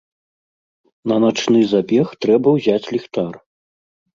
На начны забег трэба ўзяць ліхтар.